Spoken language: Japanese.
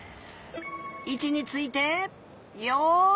いちについてよい。